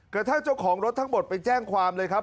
กระทั่งเจ้าของรถทั้งหมดไปแจ้งความเลยครับ